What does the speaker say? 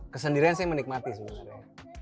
kesendirian saya menikmati sebenarnya